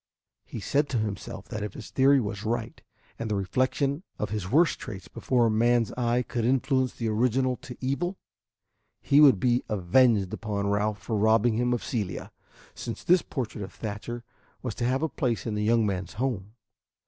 He said to himself that if his theory was right, and the reflection of his worst traits before a man's eye could influence the original to evil, he would be avenged upon Ralph for robbing him of Celia, since this portrait of Thatcher was to have a place in the young man's home.